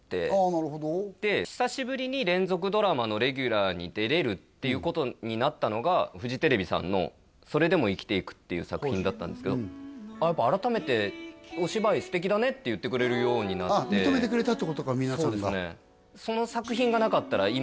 なるほど久しぶりに連続ドラマのレギュラーに出れるっていうことになったのがフジテレビさんのっていう作品だったんですけどやっぱ改めて「お芝居素敵だね」って言ってくれるようになって認めてくれたってことか皆さんがそうですね